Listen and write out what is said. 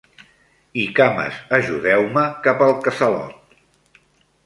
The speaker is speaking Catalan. I cames ajudeu-me cap al casalot.